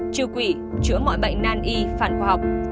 trừ quỷ chữa mọi bệnh nan y phản khoa học